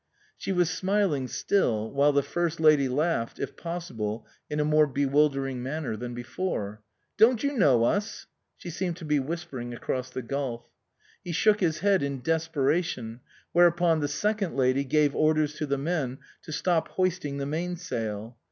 She was smiling still, while the first lady laughed, if possible in a more bewildering manner than before. " Don't you know us ?" She seemed to be whispering across the gulf. He shook his head in desperation, where upon the second lady gave orders to the men to stop hoisting the main sail.